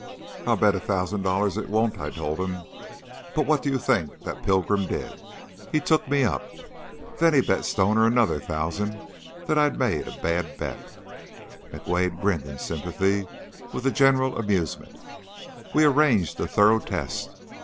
"'I'll bet a thousand dollars it won't,' I told him. But what do you think that pilgrim did? He took me up. Then he bet Stoner another thousand that I'd made a bad bet." McWade grinned in sympathy with the general amusement. "We arranged a thorough test.